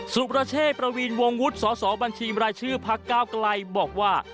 สุประเชษฐ์ประวีนวงวุฒิสบชรายชื่อพก้าวกรายบอกว่า